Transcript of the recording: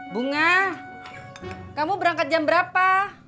bunga kamu berangkat jam berapa